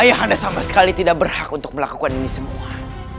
ayah anda sama sekali tidak berhak untuk melakukan ini semua